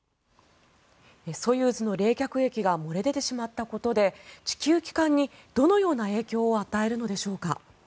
ソユーズの冷却液が漏れ出てしまったことで地球帰還にどのような影響を与えるのでしょうか。